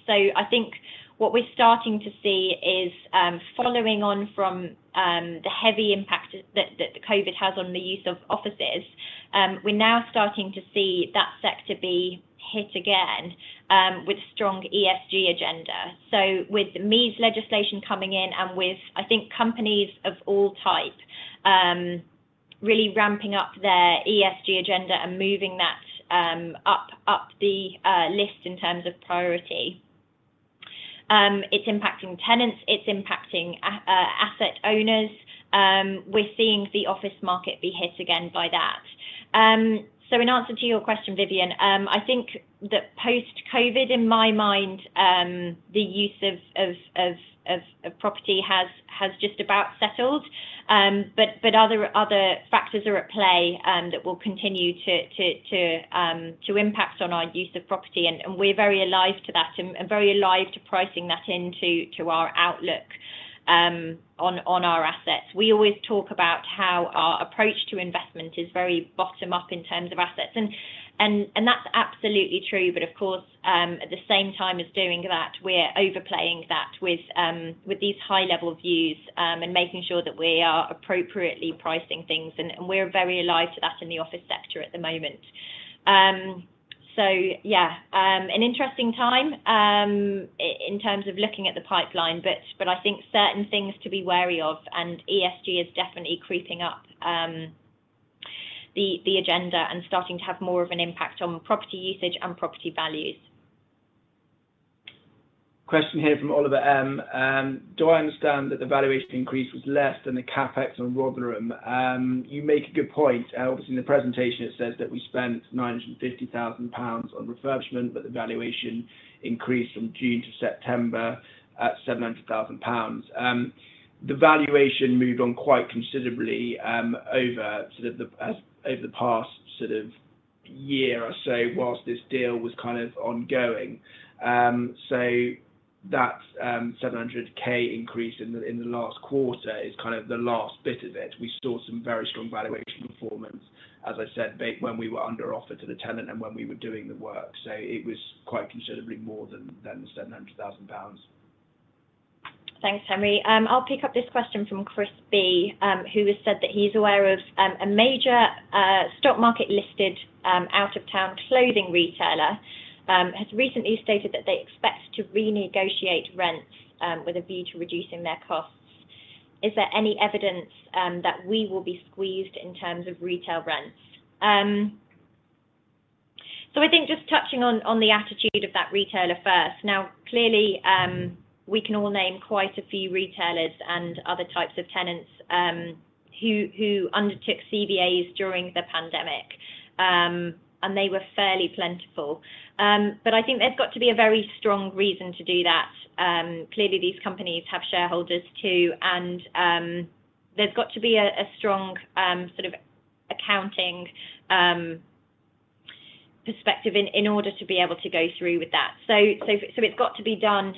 What we're starting to see is, following on from, the heavy impact that COVID has on the use of offices, we're now starting to see that sector be hit again with strong ESG agenda. With MEES legislation coming in and with, I think, companies of all type really ramping up their ESG agenda and moving that up the list in terms of priority. It's impacting tenants, it's impacting asset owners. We're seeing the office market be hit again by that. In answer to your question, Vivian, I think that post-COVID, in my mind, the use of property has just about settled. Other factors are at play that will continue to impact on our use of property, and we're very alive to that and very alive to pricing that into our outlook on our assets. We always talk about how our approach to investment is very bottom-up in terms of assets and that's absolutely true. Of course, at the same time as doing that, we're overlaying that with these high-level views and making sure that we are appropriately pricing things, and we're very alive to that in the office sector at the moment. Yeah, an interesting time in terms of looking at the pipeline, but I think certain things to be wary of, and ESG is definitely creeping up the agenda and starting to have more of an impact on property usage and property values. Question here from Oliver M. Do I understand that the valuation increase was less than the CapEx on Rotherham? You make a good point. Obviously, in the presentation it says that we spent 950,000 pounds on refurbishment, but the valuation increased from June to September at 700,000 pounds. The valuation moved on quite considerably over the past sort of year or so whilst this deal was kind of ongoing. That seven hundred K increase in the last quarter is kind of the last bit of it. We saw some very strong valuation performance, as I said, when we were under offer to the tenant and when we were doing the work. It was quite considerably more than the 700,000 pounds. Thanks, Henry. I'll pick up this question from Chris B, who has said that he's aware of a major stock market listed out of town clothing retailer has recently stated that they expect to renegotiate rents with a view to reducing their costs. Is there any evidence that we will be squeezed in terms of retail rents? I think just touching on the attitude of that retailer first. Now, clearly, we can all name quite a few retailers and other types of tenants who undertook CVAs during the pandemic, and they were fairly plentiful. I think there's got to be a very strong reason to do that. Clearly these companies have shareholders too, and there's got to be a strong sort of accounting perspective in order to be able to go through with that. It's got to be done.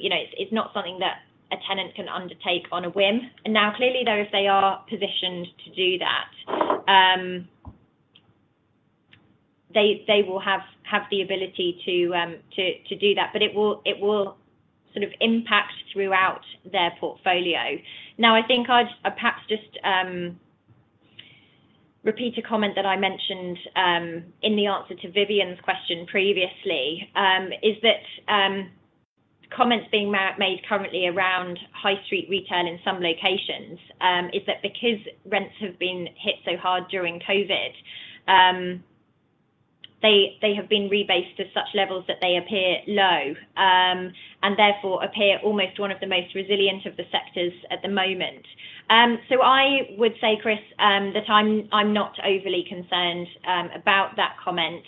You know, it's not something that a tenant can undertake on a whim. Now, clearly, though, if they are positioned to do that, they will have the ability to do that, but it will sort of impact throughout their portfolio. Now, I think I'd perhaps just repeat a comment that I mentioned in the answer to Vivian's question previously. Is that comments being made currently around high street return in some locations, is that because rents have been hit so hard during COVID, they have been rebased to such levels that they appear low, and therefore appear almost one of the most resilient of the sectors at the moment. I would say, Chris, that I'm not overly concerned about that comment.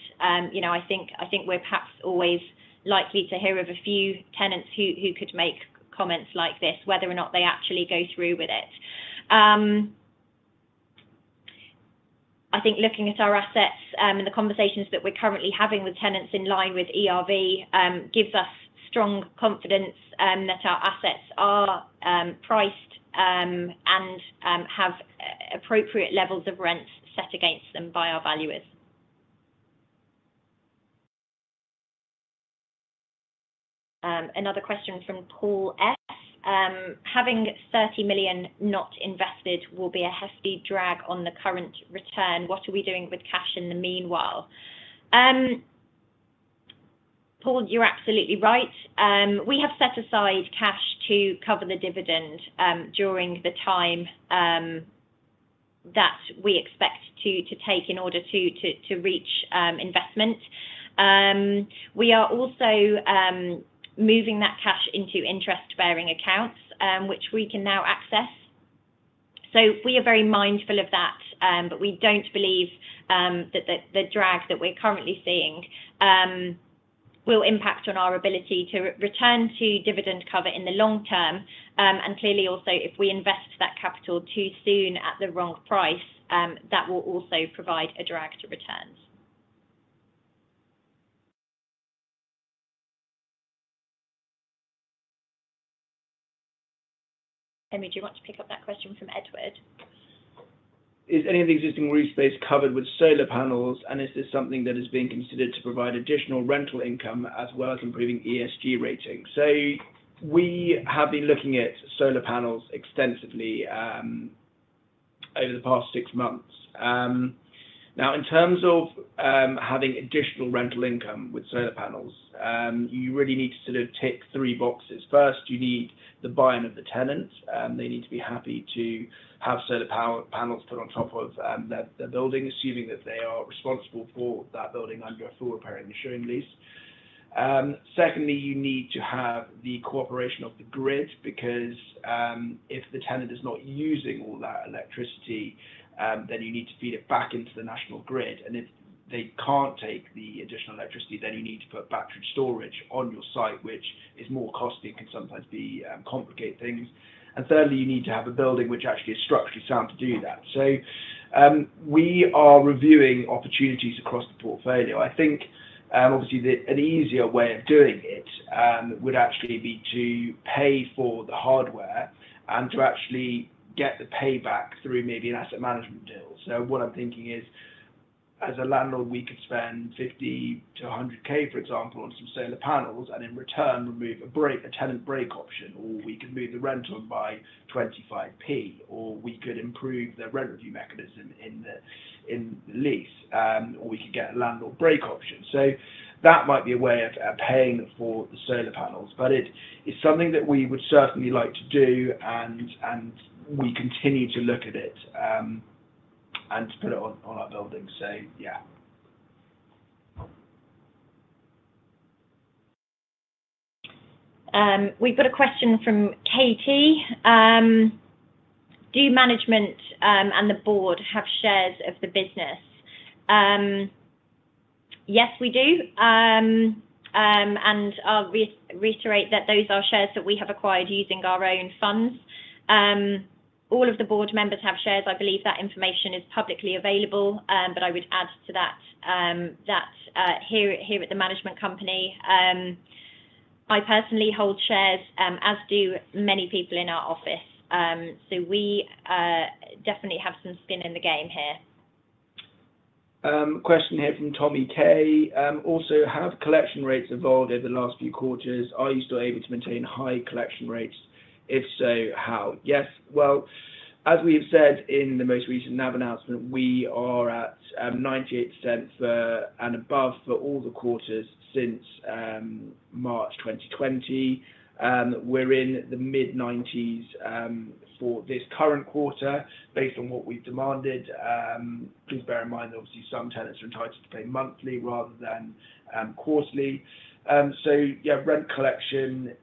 You know, I think we're perhaps always likely to hear of a few tenants who could make comments like this, whether or not they actually go through with it. I think looking at our assets, and the conversations that we're currently having with tenants in line with ERV, gives us strong confidence, that our assets are, priced, and, have appropriate levels of rents set against them by our valuers. Another question from Paul S. Having 30 million not invested will be a hefty drag on the current return. What are we doing with cash in the meanwhile? Paul, you're absolutely right. We have set aside cash to cover the dividend, during the time, that we expect to reach investment. We are also moving that cash into interest-bearing accounts, which we can now access. We are very mindful of that, but we don't believe that the drag that we're currently seeing will impact on our ability to return to dividend cover in the long term. Clearly also, if we invest that capital too soon at the wrong price, that will also provide a drag to returns. Henry, do you want to pick up that question from Edward? Is any of the existing roof space covered with solar panels, and is this something that is being considered to provide additional rental income as well as improving ESG ratings? We have been looking at solar panels extensively over the past six months. Now, in terms of having additional rental income with solar panels, you really need to sort of tick three boxes. First, you need the buy-in of the tenant. They need to be happy to have solar power panels put on top of their building, assuming that they are responsible for that building under a full repairing and insuring lease. Secondly, you need to have the cooperation of the grid because if the tenant is not using all that electricity, then you need to feed it back into the national grid. If they can't take the additional electricity, then you need to put battery storage on your site, which is more costly and can sometimes be complicated. Thirdly, you need to have a building which actually is structurally sound to do that. We are reviewing opportunities across the portfolio. I think, obviously an easier way of doing it would actually be to pay for the hardware and to actually get the payback through maybe an asset management deal. What I'm thinking is, as a landlord, we could spend 50,000-100,000, for example, on some solar panels, and in return remove a tenant break option, or we could move the rent on by 0.25, or we could improve the rent review mechanism in the lease. Or we could get a landlord break option. That might be a way of paying for the solar panels. It is something that we would certainly like to do, and we continue to look at it, and to put it on our building. Yeah. We've got a question from Katie. Do management and the board have shares of the business? Yes, we do. I'll reiterate that those are shares that we have acquired using our own funds. All of the board members have shares. I believe that information is publicly available. I would add to that here at the management company, I personally hold shares, as do many people in our office. We definitely have some skin in the game here. Question here from Tommy K. Also, how have collection rates evolved over the last few quarters? Are you still able to maintain high collection rates? If so, how? Yes. Well, as we have said in the most recent NAV announcement, we are at 98% or above for all the quarters since March 2020. We're in the mid-90s for this current quarter based on what we've demanded. Please bear in mind that obviously some tenants are entitled to pay monthly rather than quarterly. Yeah, rent collection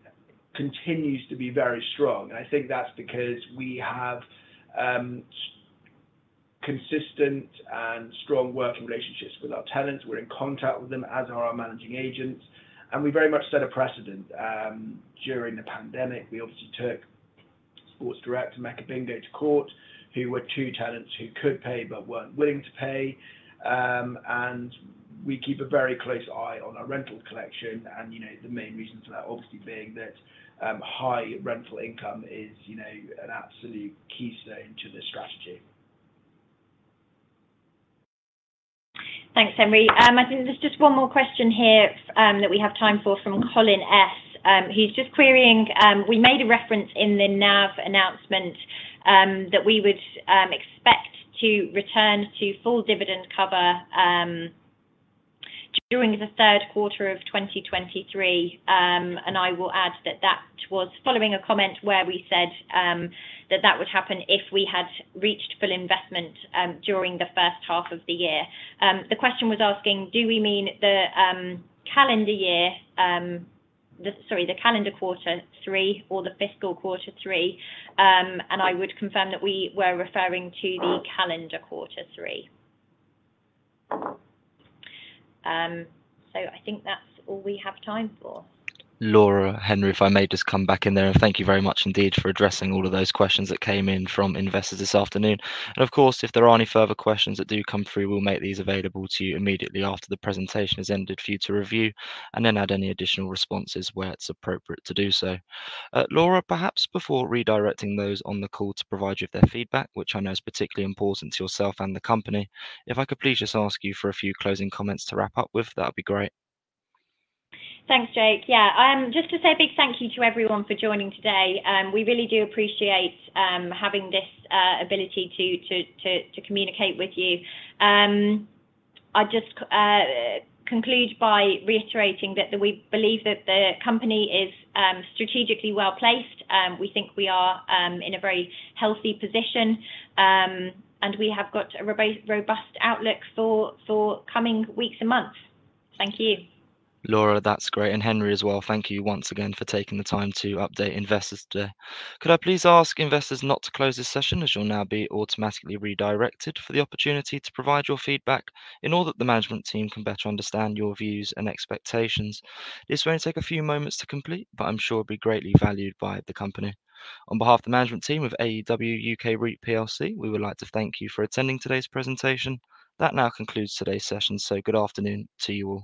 continues to be very strong, and I think that's because we have consistent and strong working relationships with our tenants. We're in contact with them, as are our managing agents, and we very much set a precedent during the pandemic. We obviously took Sports Direct and Mecca Bingo to court, who were two tenants who could pay but weren't willing to pay. We keep a very close eye on our rental collection and, you know, the main reasons for that obviously being that, high rental income is, you know, an absolute keystone to this strategy. Thanks, Henry. I think there's just one more question here that we have time for from Colin S. He's just querying we made a reference in the NAV announcement that we would expect to return to full dividend cover during the third quarter of 2023. I will add that that was following a comment where we said that that would happen if we had reached full investment during the first half of the year. The question was asking, do we mean the calendar quarter three or the fiscal quarter three? I would confirm that we were referring to the calendar quarter three. I think that's all we have time for. Laura, Henry, if I may just come back in there. Thank you very much indeed for addressing all of those questions that came in from investors this afternoon. Of course, if there are any further questions that do come through, we'll make these available to you immediately after the presentation has ended for you to review and then add any additional responses where it's appropriate to do so. Laura, perhaps before redirecting those on the call to provide you with their feedback, which I know is particularly important to yourself and the company, if I could please just ask you for a few closing comments to wrap up with, that'd be great. Thanks, Jake. Yeah. Just to say a big thank you to everyone for joining today. We really do appreciate having this ability to communicate with you. I'd just conclude by reiterating that we believe that the company is strategically well-placed. We think we are in a very healthy position. We have got a robust outlook for coming weeks and months. Thank you. Laura, that's great. Henry as well, thank you once again for taking the time to update investors today. Could I please ask investors not to close this session, as you'll now be automatically redirected for the opportunity to provide your feedback in all that the management team can better understand your views and expectations. This will only take a few moments to complete, but I'm sure it'll be greatly valued by the company. On behalf of the management team of AEW UK REIT plc, we would like to thank you for attending today's presentation. That now concludes today's session, so good afternoon to you all.